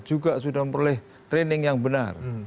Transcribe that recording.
juga sudah memperoleh training yang benar